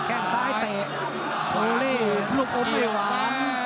แข่งซ้ายเตะโอเล่วลูกอมให้หวาน